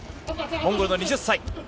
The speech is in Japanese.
モンゴルの２０歳。